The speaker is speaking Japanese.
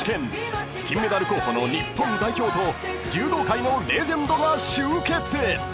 ［金メダル候補の日本代表と柔道界のレジェンドが集結］